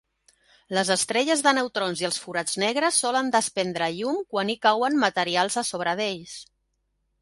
Les estrelles de neutrons i els forats negres solen desprendre llum quan hi cauen materials a sobre d"ells.